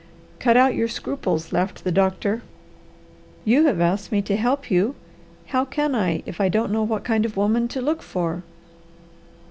"Cut out your scruples," laughed the doctor. "You have asked me to help you; how can I if I don't know what kind of a woman to look for?"